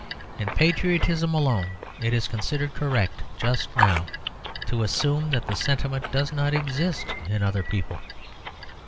In patriotism alone it is considered correct just now to assume that the sentiment does not exist in other people.